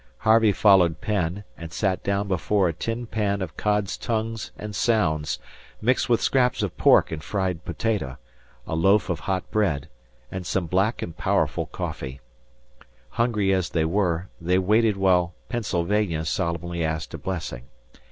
Harvey followed Penn, and sat down before a tin pan of cod's tongues and sounds, mixed with scraps of pork and fried potato, a loaf of hot bread, and some black and powerful coffee. Hungry as they were, they waited while "Pennsylvania" solemnly asked a blessing.